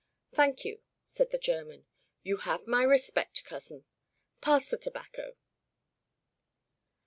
"Thank you," said the German. "You have my respect, cousin. Pass the tobacco."